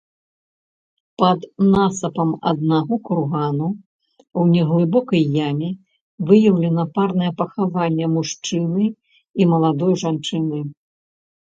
Пад насыпам аднаго кургана ў неглыбокай яме выяўлена парнае пахаванне мужчыны і маладой жанчыны.